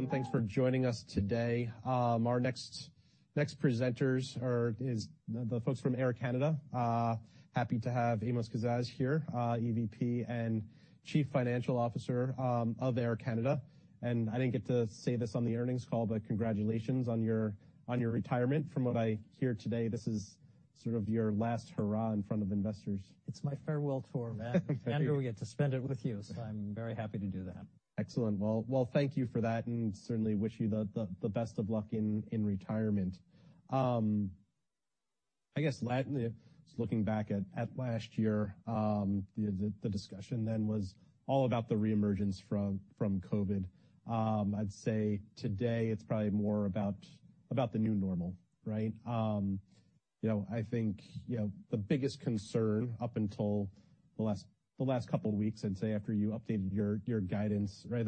Good morning, everyone. Thanks for joining us today. Our next presenters is the folks from Air Canada. Happy to have Amos Kazzaz here, EVP and Chief Financial Officer of Air Canada. I didn't get to say this on the earnings call, but congratulations on your retirement. From what I hear today, this is sort of your last hurrah in front of investors. It's my farewell tour, Matt. We get to spend it with you, so I'm very happy to do that. Excellent. Well, thank you for that, and certainly wish you the best of luck in retirement. I guess just looking back at last year, the discussion then was all about the reemergence from COVID. I'd say today it's probably more about the new normal, right? You know, I think, you know, the biggest concern up until the last couple weeks, I'd say, after you updated your guidance, right?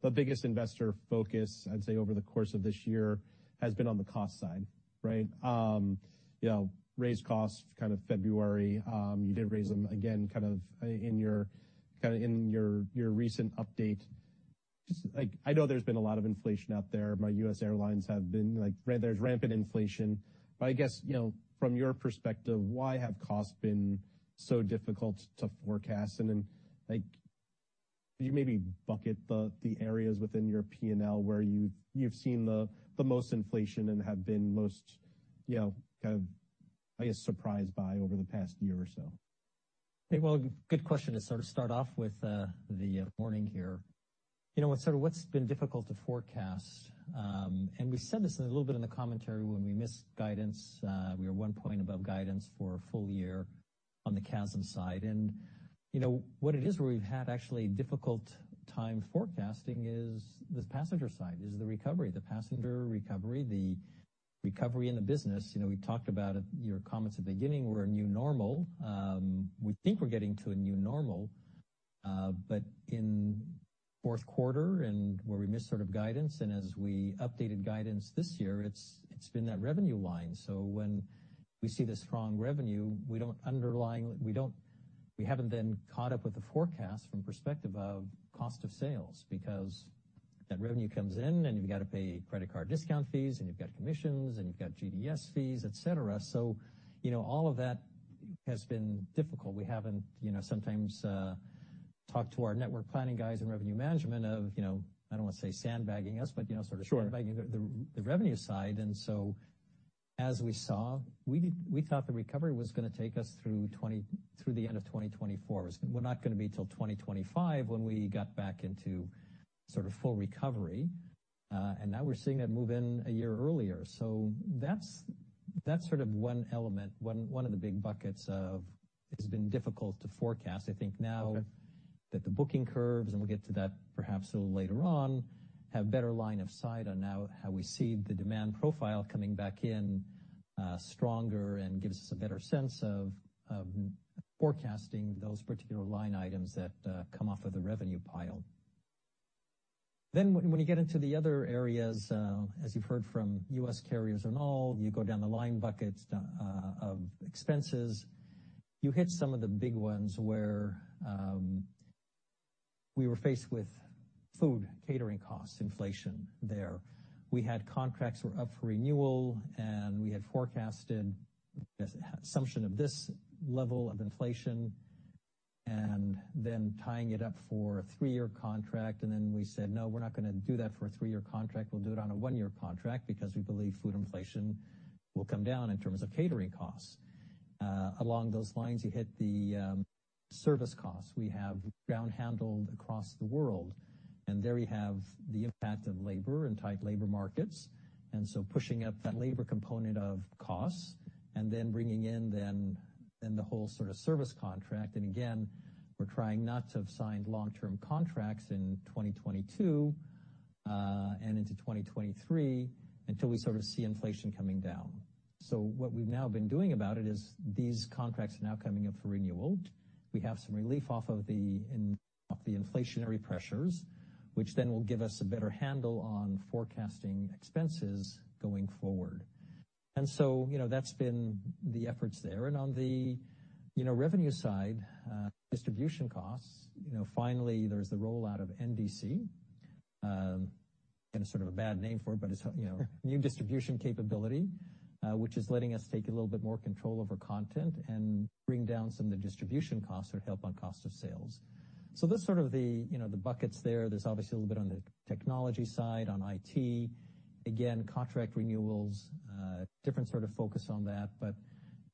The biggest investor focus, I'd say, over the course of this year has been on the cost side, right? You know, raised costs kind of February. You did raise them again, kind of in your recent update. Just like I know there's been a lot of inflation out there. My U.S. airlines have been like there's rampant inflation. I guess, you know, from your perspective, why have costs been so difficult to forecast? Like, could you maybe bucket the areas within your P&L where you've seen the most inflation and have been most, you know, kind of, I guess, surprised by over the past year or so? Yeah. Well, good question to sort of start off with the morning here. You know, what sort of what's been difficult to forecast, and we said this a little bit in the commentary when we missed guidance, we were one point above guidance for a full year on the CASM side. You know, what it is where we've had actually difficult time forecasting is the passenger side, is the recovery, the passenger recovery, the recovery in the business. You know, we talked about at your comments at the beginning, we're a new normal. We think we're getting to a new normal, but in fourth quarter and where we missed sort of guidance and as we updated guidance this year, it's been that revenue line. When we see the strong revenue, we haven't been caught up with the forecast from perspective of cost of sales because that revenue comes in and you've got to pay credit card discount fees, and you've got commissions, and you've got GDS fees, et cetera. You know, all of that has been difficult. We haven't, you know, sometimes, talked to our network planning guys and revenue management of, you know, I don't want to say sandbagging us, but, you know, sort of. Sure. sandbagging the revenue side. As we saw, we thought the recovery was gonna take us through the end of 2024. We're not gonna be till 2025 when we got back into sort of full recovery. Now we're seeing that move in a year earlier. That's sort of one element, one of the big buckets of it's been difficult to forecast. I think now. Okay. The booking curves, and we'll get to that perhaps a little later on, have better line of sight on now how we see the demand profile coming back in stronger and gives us a better sense of forecasting those particular line items that come off of the revenue pile. When you get into the other areas, as you've heard from U.S. carriers and all, you go down the line buckets of expenses. You hit some of the big ones where we were faced with food catering costs, inflation there. We had contracts were up for renewal, and we had forecasted assumption of this level of inflation and then tying it up for a three-year contract. We said, "No, we're not going to do that for a three-year contract. We'll do it on a one-year contract because we believe food inflation will come down in terms of catering costs. Along those lines, you hit the service costs. There we have the impact of labor and tight labor markets, pushing up that labor component of costs and then bringing in the whole sort of service contract. Again, we're trying not to have signed long-term contracts in 2022 and into 2023 until we sort of see inflation coming down. What we've now been doing about it is these contracts are now coming up for renewal. We have some relief off of the inflationary pressures, which then will give us a better handle on forecasting expenses going forward. You know, that's been the efforts there. On the, you know, revenue side, distribution costs, you know, finally there's the rollout of NDC, and a sort of a bad name for it, but it's New Distribution Capability, which is letting us take a little bit more control over content and bring down some of the distribution costs or help on cost of sales. That's sort of the, you know, the buckets there. There's obviously a little bit on the technology side, on IT. Again, contract renewals, different sort of focus on that.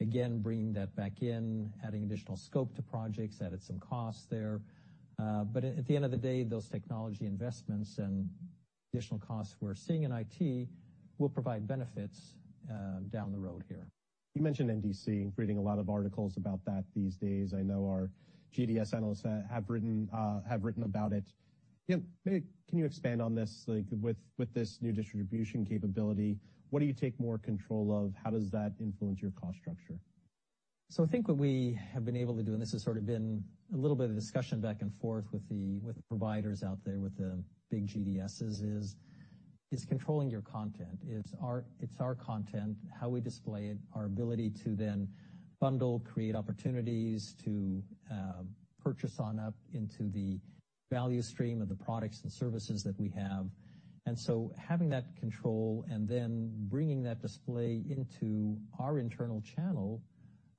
Again, bringing that back in, adding additional scope to projects, added some costs there. But at the end of the day, those technology investments and additional costs we're seeing in IT will provide benefits down the road here. You mentioned NDC. Reading a lot of articles about that these days. I know our GDS analysts have written about it. You know, can you expand on this? Like, with this new distribution capability, what do you take more control of? How does that influence your cost structure? I think what we have been able to do, and this has sort of been a little bit of discussion back and forth with providers out there, with the big GDSs, is controlling your content. It's our content, how we display it, our ability to then bundle, create opportunities to purchase on up into the value stream of the products and services that we have. Having that control and then bringing that display into our internal channel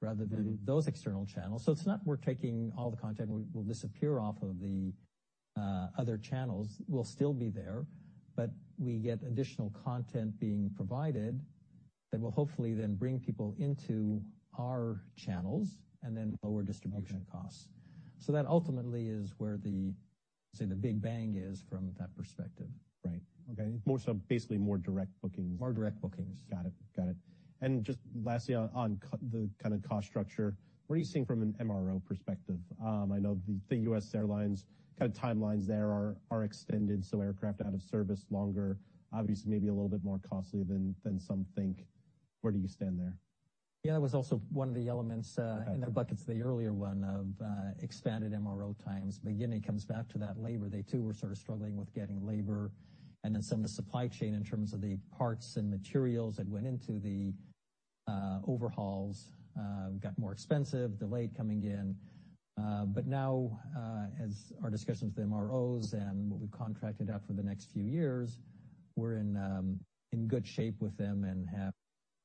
rather than. Mm-hmm. It's not we're taking all the content and will disappear off of the other channels, will still be there, but we get additional content being provided that will hopefully then bring people into our channels and then lower distribution costs. Okay. That ultimately is where the, say, the big bang is from that perspective. Right. Okay. More so basically more direct bookings. More direct bookings. Got it. Just lastly on, the kind of cost structure, what are you seeing from an MRO perspective? I know the U.S. airlines kind of timelines there are extended, so aircraft out of service longer, obviously maybe a little bit more costly than some think. Where do you stand there? Yeah, that was also one of the elements in the buckets, the earlier one of expanded MRO times. It comes back to that labor. They too were sort of struggling with getting labor and then some of the supply chain in terms of the parts and materials that went into the overhauls got more expensive, delayed coming in. Now, as our discussions with MROs and what we've contracted out for the next few years, we're in good shape with them and have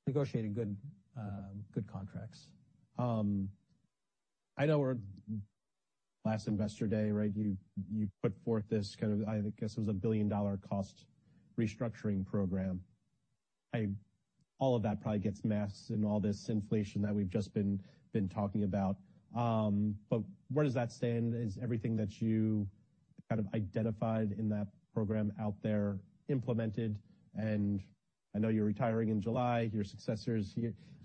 negotiated good contracts. I know we're last investor day, right? You, you put forth this kind of, I guess, it was a 1 billion dollar cost restructuring program. All of that probably gets masked in all this inflation that we've just been talking about. Where does that stand? Is everything that you kind of identified in that program out there implemented? I know you're retiring in July. Your successor is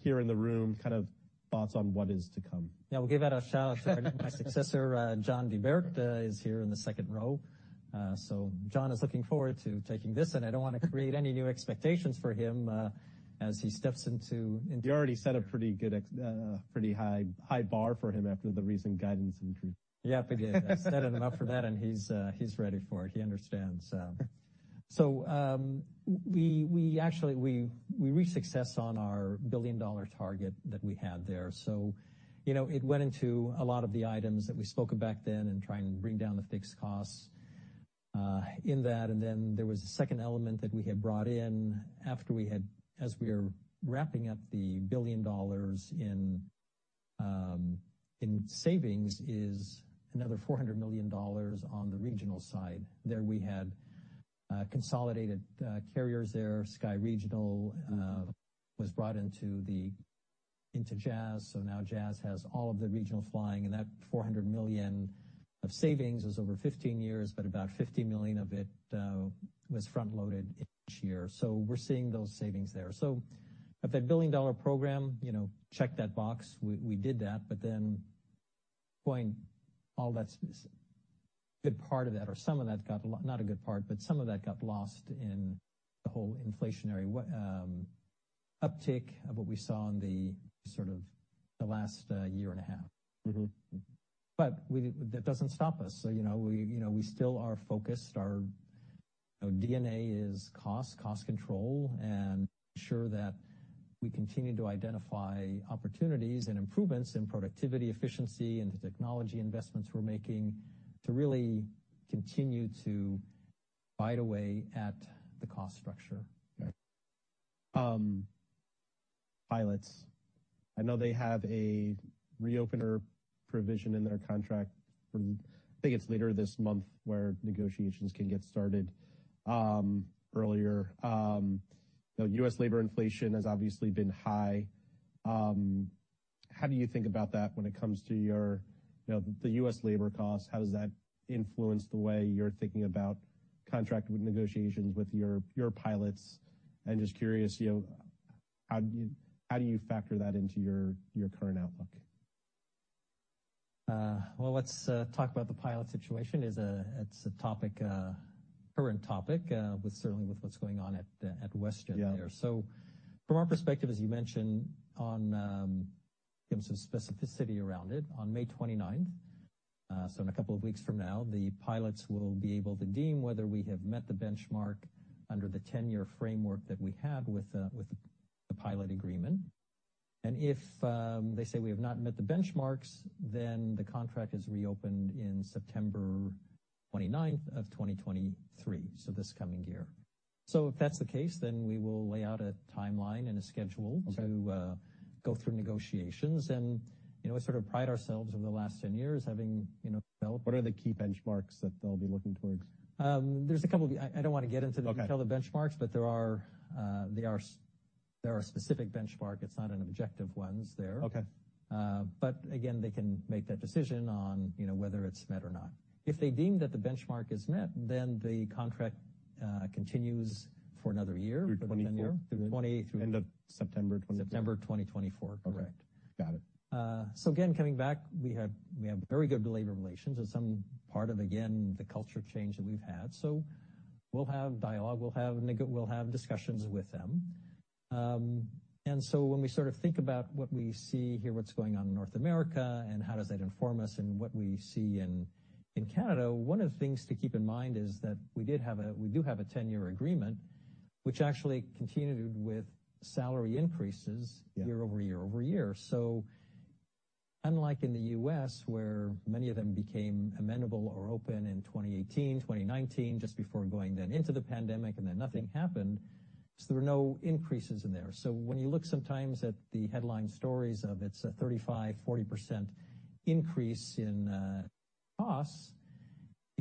here in the room, kind of thoughts on what is to come. Yeah, we'll give out a shout-out. My successor, John Di Bert, is here in the second row. John is looking forward to taking this, and I don't wanna create any new expectations for him, as he steps into. You already set a pretty good pretty high bar for him after the recent guidance increase. Yep, I did. I set it him up for that, and he's ready for it. He understands. We actually, we reached success on our billion-dollar target that we had there. You know, it went into a lot of the items that we spoke of back then and trying to bring down the fixed costs in that. There was a second element that we had brought in after as we are wrapping up the $1 billion in savings is another $400 million on the regional side. There we had consolidated carriers there. Sky Regional was brought into the, into Jazz. Now Jazz has all of the regional flying, and that $400 million of savings is over 15 years, but about $50 million of it was front-loaded each year. We're seeing those savings there. Of that billion-dollar program, you know, check that box. We did that. Going all that's good part of that or some of that not a good part, but some of that got lost in the whole inflationary what uptake of what we saw in the sort of the last year and a half. Mm-hmm. That doesn't stop us. You know, we, you know, we still are focused. Our DNA is cost control, and ensure that we continue to identify opportunities and improvements in productivity, efficiency, and the technology investments we're making to really continue to bite away at the cost structure. Okay. pilots, I know they have a reopener provision in their contract from, I think it's later this month, where negotiations can get started earlier. The U.S. labor inflation has obviously been high. How do you think about that when it comes to your, you know, the U.S. labor costs? How does that influence the way you're thinking about contract negotiations with your pilots? I'm just curious, you know, how do you, how do you factor that into your current outlook? Well, let's talk about the pilot situation. It's a topic, current topic, with certainly with what's going on at WestJet there. Yeah. From our perspective, as you mentioned on, give some specificity around it, on May 29th, in a couple of weeks from now, the pilots will be able to deem whether we have met the benchmark under the 10-year framework that we have with the pilot agreement. If they say we have not met the benchmarks, the contract is reopened in September 29th of 2023, this coming year. If that's the case, we will lay out a timeline and a schedule. Okay. to go through negotiations. You know, we sort of pride ourselves over the last 10 years having, you know, developed. What are the key benchmarks that they'll be looking towards? There's a couple of. I don't want to get into the. Okay. -tell the benchmarks, but there are specific benchmark. It's not an objective ones there. Okay. Again, they can make that decision on, you know, whether it's met or not. If they deem that the benchmark is met, then the contract continues for another year. Through 24. Twenty- End of September. September 2024. Correct. Okay. Got it. Again, coming back, we have very good labor relations and some part of, again, the culture change that we've had. We'll have dialogue, we'll have discussions with them. When we sort of think about what we see here, what's going on in North America, and how does that inform us in what we see in Canada, one of the things to keep in mind is that we do have a 10-year agreement which actually continued with salary increases. Yeah. year-over-year over year. Unlike in the US, where many of them became amendable or open in 2018, 2019 just before going then into the pandemic, and then nothing happened. There were no increases in there. When you look sometimes at the headline stories of it's a 35%, 40% increase in costs,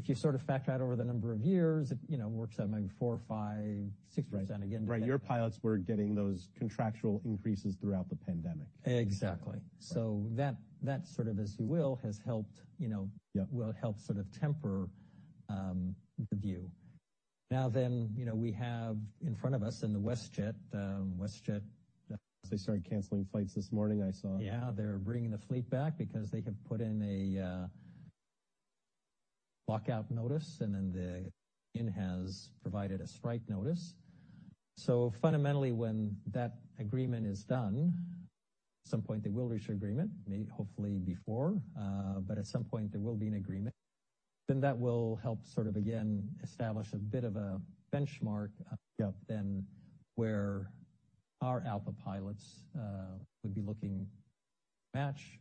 if you sort of factor out over the number of years, it, you know, works out maybe 4%, 5%, 6% again. Right. Your pilots were getting those contractual increases throughout the pandemic. Exactly. Right. that sort of, as you will, has helped, you know... Yeah. will help sort of temper, the view. you know, we have in front of us in the WestJet. They started canceling flights this morning, I saw. Yeah, they're bringing the fleet back because they have put in a lockout notice, and the union has provided a strike notice. Fundamentally, when that agreement is done, at some point they will reach an agreement, may hopefully before, but at some point, there will be an agreement, that will help sort of again establish a bit of a benchmark... Yeah. Where our ALPA pilots would be looking to match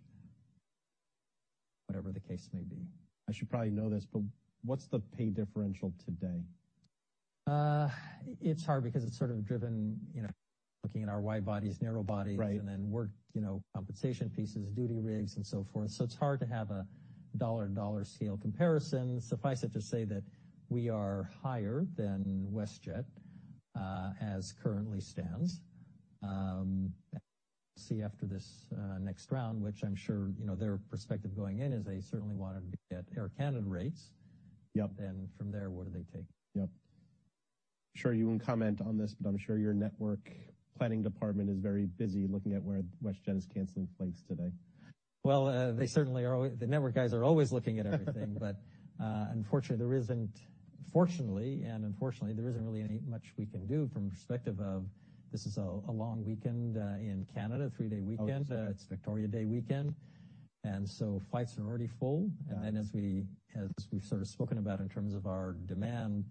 whatever the case may be. I should probably know this, but what's the pay differential today? It's hard because it's sort of driven, you know, looking at our wide bodies, narrow bodies... Right. Work, you know, compensation pieces, duty rigs, and so forth. It's hard to have a dollar and dollar scale comparison. Suffice it to say that we are higher than WestJet as currently stands. We'll see after this next round, which I'm sure you know their perspective going in is they certainly want to be at Air Canada rates. Yep. From there, what do they take? Yep. I'm sure you won't comment on this, but I'm sure your network planning department is very busy looking at where WestJet is canceling flights today. Well, they certainly the network guys are always looking at everything. Unfortunately, fortunately, and unfortunately, there isn't really any much we can do from perspective of this is a long weekend in Canada, three-day weekend. Okay. It's Victoria Day weekend, and so flights are already full. Got it. As we've sort of spoken about in terms of our demand,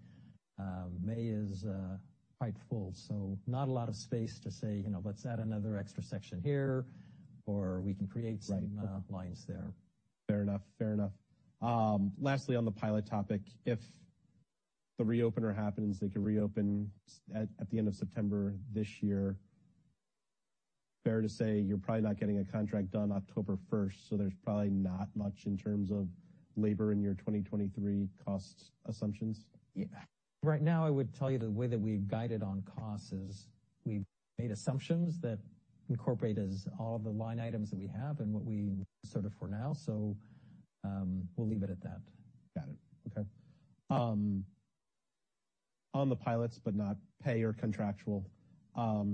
May is quite full, so not a lot of space to say, you know, let's add another extra section here. Right. some lines there. Fair enough. Fair enough. Lastly, on the pilot topic, if the reopener happens, they could reopen at the end of September this year. Fair to say you're probably not getting a contract done October 1st. There's probably not much in terms of labor in your 2023 costs assumptions? Yeah. Right now, I would tell you the way that we've guided on costs is we've made assumptions that incorporate as all of the line items that we have and what we sort of for now. We'll leave it at that. Got it. Okay. On the pilots, but not pay or contractual, are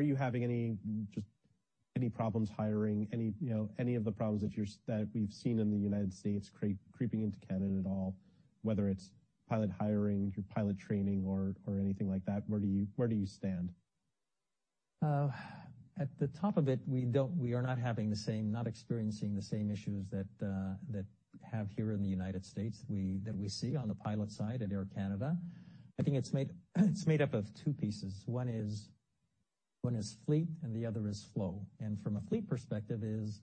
you having any, just any problems hiring? Any, you know, any of the problems that we've seen in the United States creeping into Canada at all, whether it's pilot hiring, your pilot training or anything like that, where do you, where do you stand? At the top of it, we are not having the same, not experiencing the same issues that have here in the United States, that we see on the pilot side at Air Canada. I think it's made up of two pieces. One is fleet and the other is flow. From a fleet perspective is,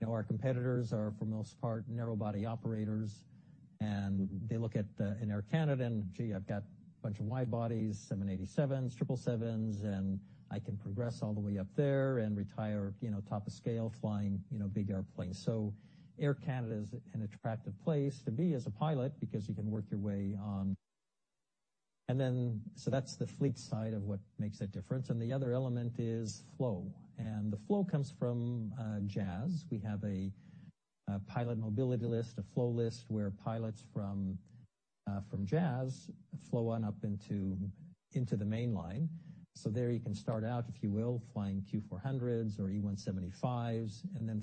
you know, our competitors are, for most part, narrow body operators, and they look at in Air Canada and gee, I've got a bunch of wide bodies, seven eighty-sevens, triple sevens, and I can progress all the way up there and retire, you know, top of scale flying, you know, big airplanes. Air Canada is an attractive place to be as a pilot because you can work your way on. That's the fleet side of what makes a difference, and the other element is flow. The flow comes from Jazz. We have a pilot flow list, where pilots from Jazz flow on up into the mainline. There you can start out, if you will, flying Q400s or E175s, and then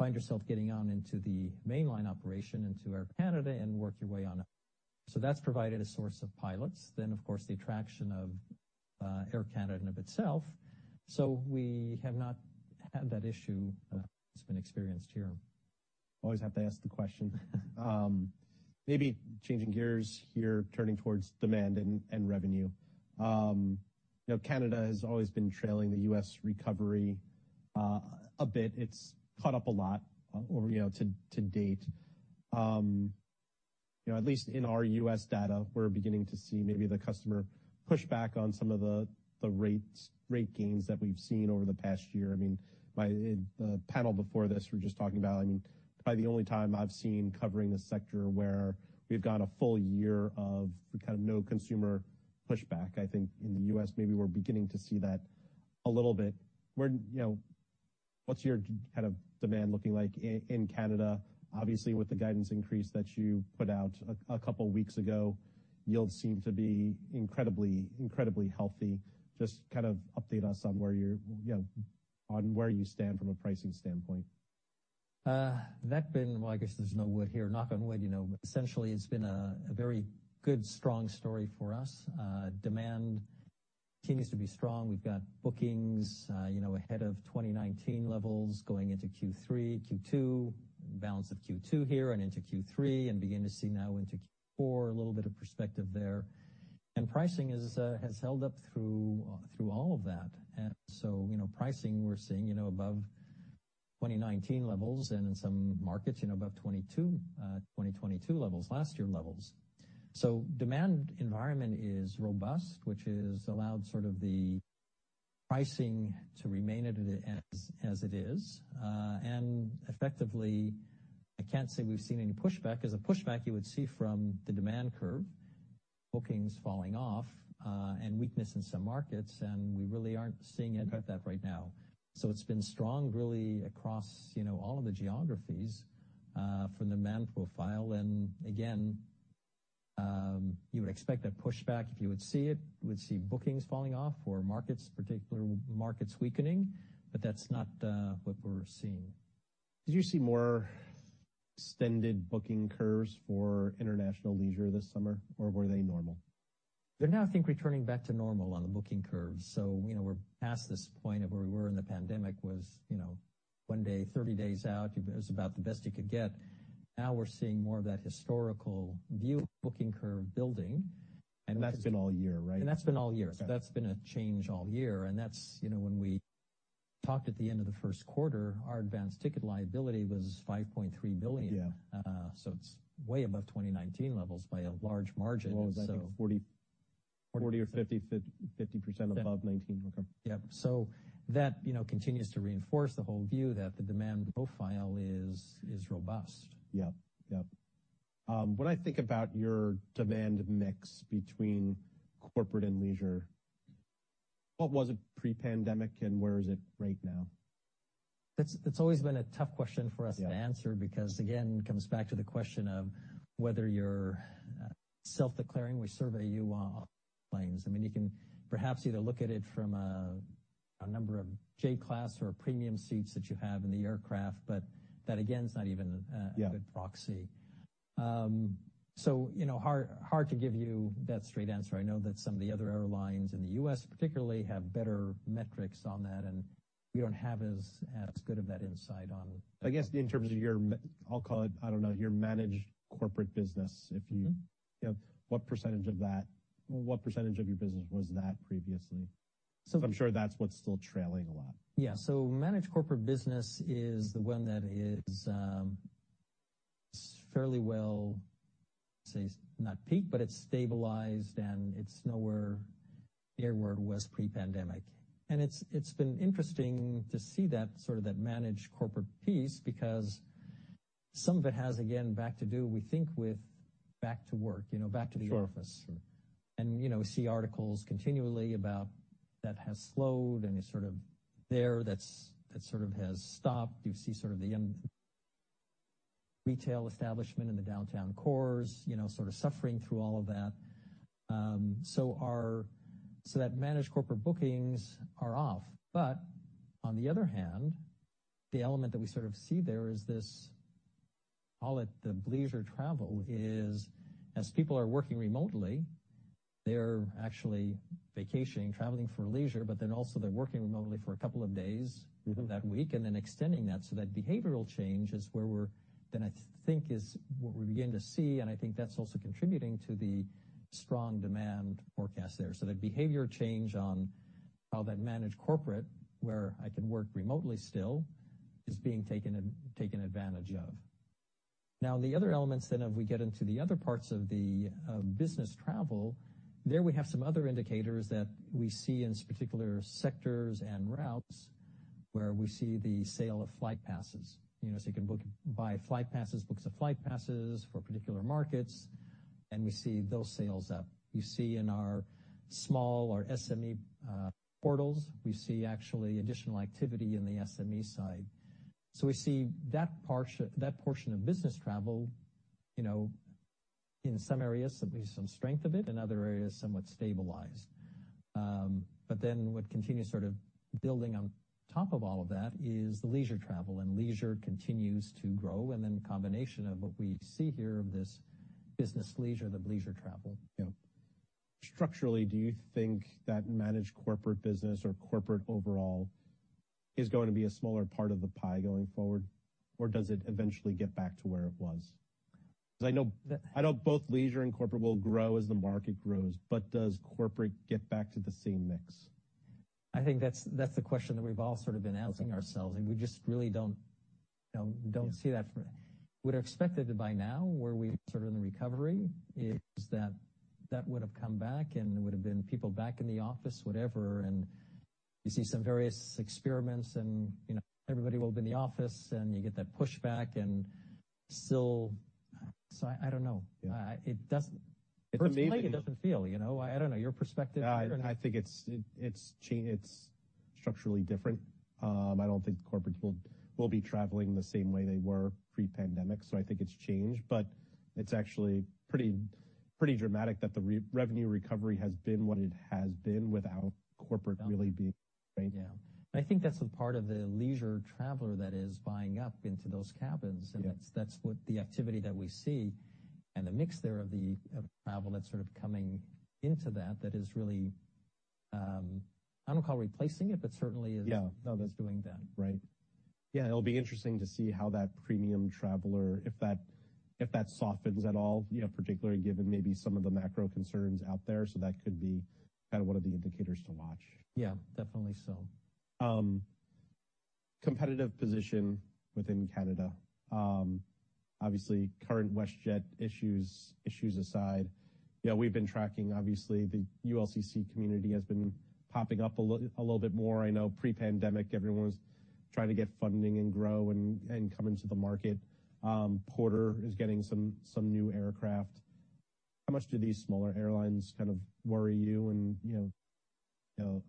find yourself getting on into the mainline operation into Air Canada and work your way on up. That's provided a source of pilots. Of course, the attraction of Air Canada in of itself. We have not had that issue that's been experienced here. Always have to ask the question. Maybe changing gears here, turning towards demand and revenue. You know, Canada has always been trailing the U.S. recovery a bit. It's caught up a lot or, you know, to date. You know, at least in our U.S. data, we're beginning to see maybe the customer pushback on some of the rate gains that we've seen over the past year. I mean by the panel before this, we're just talking about, I mean, probably the only time I've seen covering this sector where we've got a full year of kind of no consumer pushback. I think in the U.S. maybe we're beginning to see that a little bit. Where, you know, what's your kind of demand looking like in Canada? Obviously, with the guidance increase that you put out a couple weeks ago, yields seem to be incredibly healthy. Just kind of update us on where you're, you know, where you stand from a pricing standpoint. That been, well, I guess there's no would here. Knock on wood, you know, essentially it's been a very good, strong story for us. Demand continues to be strong. We've got bookings, you know, ahead of 2019 levels going into Q3, Q2, balance of Q2 here and into Q3, and begin to see now into Q4, a little bit of perspective there. Pricing is has held up through all of that. You know, pricing, we're seeing, you know, above 2019 levels and in some markets, you know, above 2022 levels, last year levels. Demand environment is robust, which has allowed sort of the pricing to remain at it as it is. Effectively, I can't say we've seen any pushback. As a pushback you would see from the demand curve, bookings falling off, and weakness in some markets. We really aren't seeing any of that right now. It's been strong really across, you know, all of the geographies from the demand profile. Again, you would expect a pushback if you would see it. You would see bookings falling off or markets, particular markets weakening, but that's not what we're seeing. Did you see more extended booking curves for international leisure this summer, or were they normal? They're now, I think, returning back to normal on the booking curves. You know, we're past this point of where we were in the pandemic was, you know, one day, 30 days out, it was about the best you could get. Now we're seeing more of that historical view booking curve building. That's been all year, right? That's been all year. Okay. That's been a change all year. That's, you know, when we talked at the end of the first quarter, our advance ticket liability was 5.3 billion. Yeah. it's way above 2019 levels by a large margin. Well, is that 40? 40 or 50% above 2019? Yeah. Okay. Yeah. That, you know, continues to reinforce the whole view that the demand profile is robust. Yeah. Yeah. When I think about your demand mix between corporate and leisure, what was it pre-pandemic and where is it right now? That's, it's always been a tough question for us to answer- Yeah. because again, it comes back to the question of whether you're self-declaring, we survey you on planes. I mean, you can perhaps either look at it from a number of J class or premium seats that you have in the aircraft, but that again is not even a- Yeah. Good proxy. You know, hard to give you that straight answer. I know that some of the other airlines in the U.S. particularly have better metrics on that, and we don't have as good of that insight on. I guess in terms of your, I'll call it, I don't know, your managed corporate business. Mm-hmm. You know, what % of your business was that previously? I'm sure that's what's still trailing a lot. Managed corporate business is the one that is fairly well, say, not peaked, but it's stabilized and it's nowhere near where it was pre-pandemic. It's been interesting to see that sort of managed corporate piece because some of it has, again, back to do, we think with back to work, you know, back to the office. Sure. Sure. You know, we see articles continually about that has slowed and is sort of there, that sort of has stopped. You see sort of the retail establishment in the downtown cores, you know, sort of suffering through all of that. So that managed corporate bookings are off. On the other hand, the element that we sort of see there is this, I'll let the leisure travel is as people are working remotely, they are actually vacationing, traveling for leisure, but then also they're working remotely for a couple of days. Mm-hmm. That week extending that. That behavioral change is where that I think is what we're beginning to see, and I think that's also contributing to the strong demand forecast there. That behavior change on how that managed corporate, where I can work remotely still is being taken advantage of. The other elements we get into the other parts of business travel, there we have some other indicators that we see in particular sectors and routes where we see the sale of flight passes. You know, you can book, buy flight passes, books of flight passes for particular markets, and we see those sales up. We see in our small or SME portals, we see actually additional activity in the SME side. We see that portion of business travel, you know, in some areas, there'll be some strength of it, in other areas, somewhat stabilized. What continues sort of building on top of all of that is the leisure travel, and leisure continues to grow. Combination of what we see here of this business leisure, the leisure travel. Structurally, do you think that managed corporate business or corporate overall is going to be a smaller part of the pie going forward? Does it eventually get back to where it was? I know, I know both leisure and corporate will grow as the market grows, but does corporate get back to the same mix? I think that's the question that we've all sort of been asking ourselves, and we just really don't see that. We'd expected it by now, where we sort of in the recovery, is that that would have come back and there would have been people back in the office, whatever. You see some various experiments and, you know, everybody will be in the office and you get that pushback and still. I don't know. Yeah. It doesn't. It's amazing. Personally it doesn't feel, you know. I don't know your perspective. I think it's structurally different. I don't think corporate will be traveling the same way they were pre-pandemic. I think it's changed, but it's actually pretty dramatic that the re-revenue recovery has been what it has been without corporate really being, right? Yeah. I think that's the part of the leisure traveler that is buying up into those cabins. Yeah. That's what the activity that we see and the mix there of the, of travel that's sort of coming into that is really, I don't call replacing it, but certainly. Yeah. -how that's doing that. Right. Yeah, it'll be interesting to see how that premium traveler, if that, if that softens at all, you know, particularly given maybe some of the macro concerns out there. That could be kind of one of the indicators to watch. Yeah, definitely so. Competitive position within Canada. Obviously, current WestJet issues aside, you know, we've been tracking obviously the ULCC community has been popping up a little bit more. I know pre-pandemic, everyone was trying to get funding and grow and come into the market. Porter is getting some new aircraft. How much do these smaller airlines kind of worry you and, you know,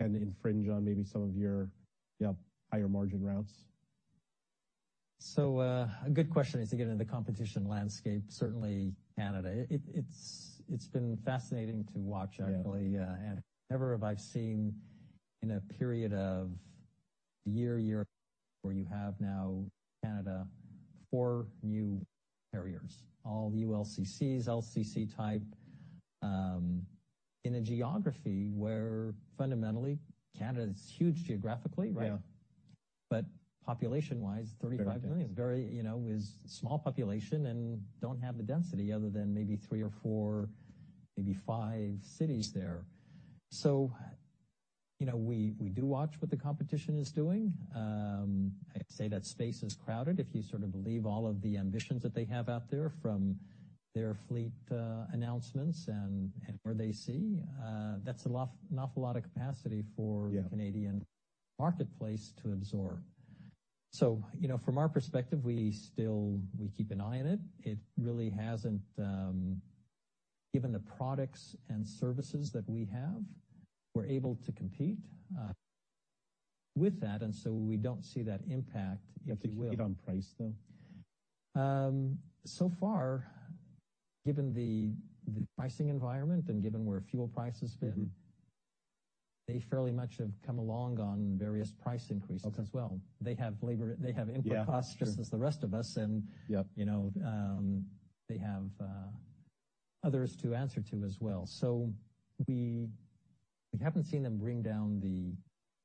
and infringe on maybe some of your, you know, higher margin routes? A good question is, again, the competition landscape, certainly Canada. It's been fascinating to watch, actually. Yeah. Never have I seen in a period of year where you have now Canada, 4 new carriers, all ULCCs, LCC type, in a geography where fundamentally Canada is huge geographically, right? Yeah. population-wise, 35 million. 35 million. Very, you know, is small population and don't have the density other than maybe three or four, maybe five cities there. You know, we do watch what the competition is doing. I'd say that space is crowded if you sort of believe all of the ambitions that they have out there from their fleet, announcements and where they see. That's an awful lot of capacity. Yeah. the Canadian marketplace to absorb. you know, from our perspective, we still keep an eye on it. It really hasn't. Given the products and services that we have, we're able to compete with that, we don't see that impact if it will- Have they compete on price, though? So far, given the pricing environment and given where fuel price has been. Mm-hmm. They fairly much have come along on various price increases as well. Okay. They have labor, they have input costs. Yeah, sure. just as the rest of us and Yep. you know, they have others to answer to as well. We, we haven't seen them bring down the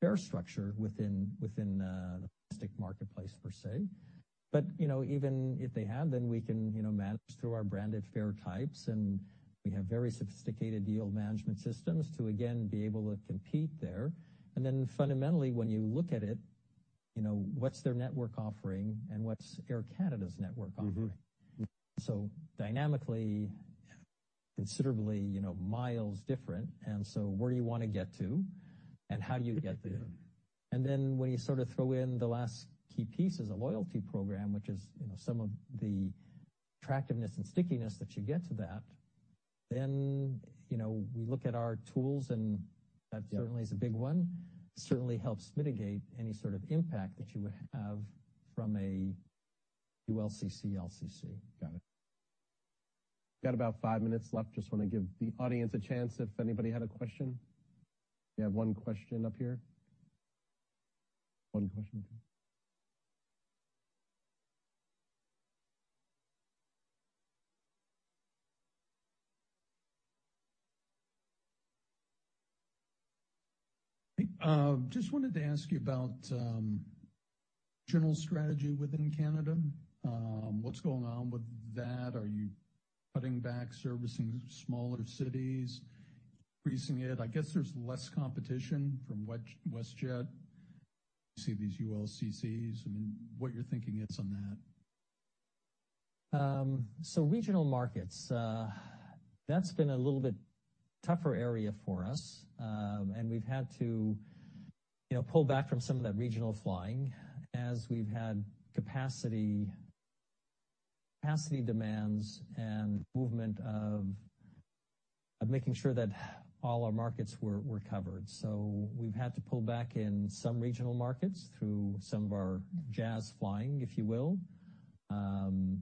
fare structure within, the domestic marketplace per se. you know, even if they have, then we can, you know, manage through our branded fare types, and we have very sophisticated yield management systems to again, be able to compete there. fundamentally, when you look at it, you know, what's their network offering and what's Air Canada's network offering? Mm-hmm. Dynamically, considerably, you know, miles different. Where do you wanna get to, and how do you get there? Yeah. When you sort of throw in the last key piece is a loyalty program, which is, you know, some of the attractiveness and stickiness that you get to that, then, you know, we look at our tools. Yeah. certainly is a big one, certainly helps mitigate any sort of impact that you would have from a ULCC, LCC. Got it. Got about five minutes left. Just wanna give the audience a chance if anybody had a question. We have one question up here. Just wanted to ask you about general strategy within Canada. What's going on with that? Are you cutting back servicing smaller cities, increasing it? I guess there's less competition from WestJet. You see these ULCCs, I mean, what you're thinking is on that? Regional markets, that's been a little bit tougher area for us. We've had to, you know, pull back from some of that regional flying as we've had capacity demands and movement of making sure that all our markets were covered. We've had to pull back in some regional markets through some of our Jazz flying, if you will. You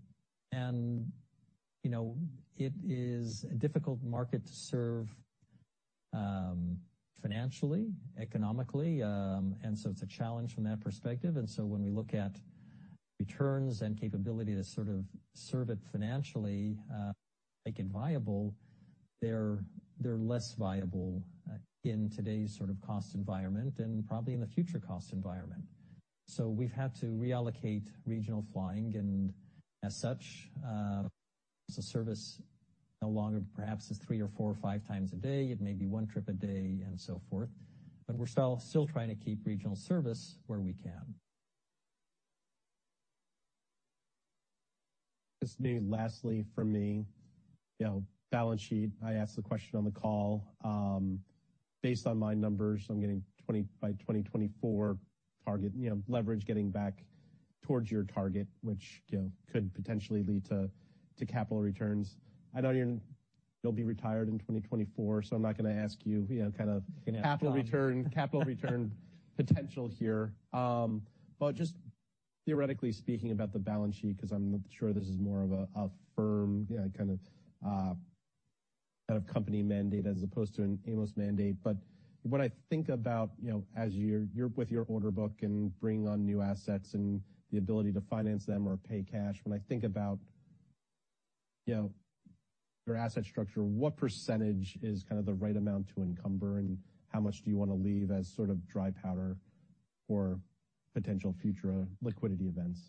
know, it is a difficult market to serve, financially, economically, and so it's a challenge from that perspective. When we look at returns and capability to sort of serve it financially, make it viable, they're less viable, in today's sort of cost environment and probably in the future cost environment. We've had to reallocate regional flying, and as such, as a service, no longer perhaps is three or four or five times a day. It may be 1 trip a day and so forth. We're still trying to keep regional service where we can. This will be lastly for me. You know, balance sheet, I asked the question on the call. Based on my numbers, I'm getting 20, by 2024 target, you know, leverage getting back towards your target, which, you know, could potentially lead to capital returns. I know you'll be retired in 2024, I'm not gonna ask you know, kind of capital return potential here. Just theoretically speaking about the balance sheet, 'cause I'm sure this is more of a firm, you know, kind of company mandate as opposed to an Amos mandate. When I think about, you know, as you're with your order book and bringing on new assets and the ability to finance them or pay cash, when I think about, you know, your asset structure, what percentage is kind of the right amount to encumber, and how much do you wanna leave as sort of dry powder for potential future liquidity events?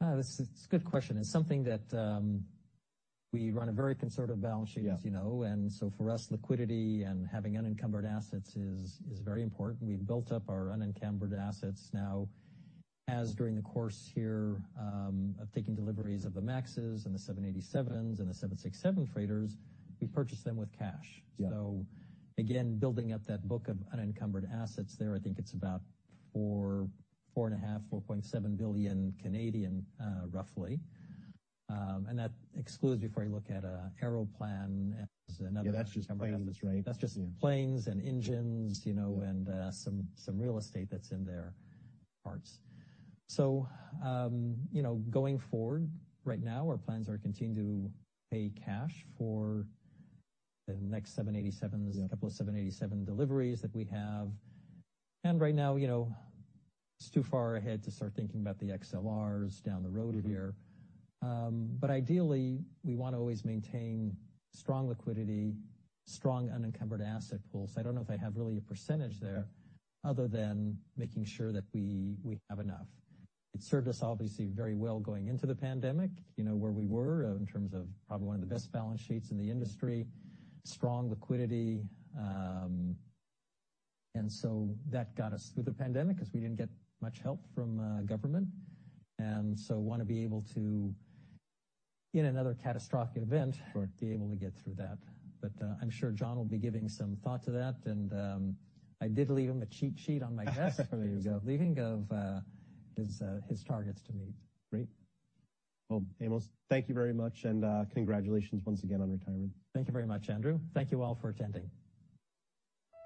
That's a good question, and something that we run a very conservative balance sheet. Yeah. As you know. For us, liquidity and having unencumbered assets is very important. We've built up our unencumbered assets now as during the course here, of taking deliveries of the MAXes and the 787s and the 767 freighters, we've purchased them with cash. Yeah. Again, building up that book of unencumbered assets there, I think it's about 4 and a half, 4.7 billion roughly. That excludes before you look at Aeroplan as another... Yeah, that's just planes, right? That's just planes and engines, you know. Yeah. some real estate that's in there, parts. you know, going forward right now our plans are continue to pay cash for the next 787s. Yeah. A couple of seven eighty-seven deliveries that we have. Right now, you know, it's too far ahead to start thinking about the XLRs down the road here. Ideally we wanna always maintain strong liquidity, strong unencumbered asset pools. I don't know if I have really a percentage there other than making sure that we have enough. It served us obviously very well going into the pandemic, you know, where we were in terms of probably one of the best balance sheets in the industry, strong liquidity. That got us through the pandemic 'cause we didn't get much help from government, and so wanna be able to in another catastrophic event. Sure. Be able to get through that. I'm sure John will be giving some thought to that, and I did leave him a cheat sheet on my desk before he was leaving of his targets to meet. Great. Well, Amos, thank you very much, and, congratulations once again on retirement. Thank you very much, Andrew. Thank you all for attending.